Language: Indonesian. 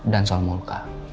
dan soal muka